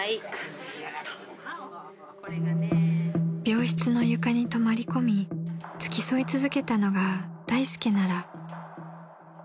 ［病室の床に泊まり込み付き添い続けたのが大助なら］